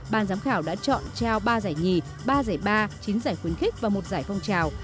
ban giám khảo đã chọn trao ba giải nhì ba giải ba chín giải khuyến khích và một giải phong trào